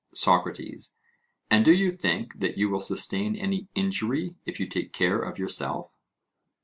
SOCRATES: And do you think that you will sustain any injury if you take care of yourself?